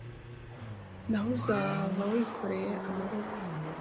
Na ho uzahava wikoreye amaboko,